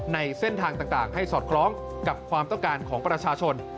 ในเส้นทางต่างให้สอดคล้องกับความต้องการของประชาชน